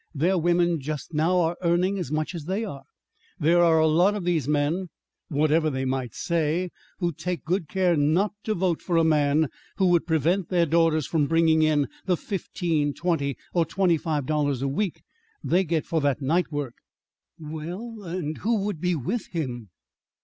Their women just now are earning as much as they are. There are a lot of these men whatever they might say who'd take good care not to vote for a man who would prevent their daughters from bringing in the fifteen, twenty, or twenty five dollars a week they get for that night work. "Well, and who would be with him?